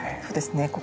そうですね。